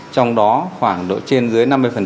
trong đó khoảng độ trên dưới năm mươi số trường